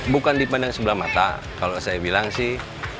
bukan dipandang sebelah mata kalau saya bilang sih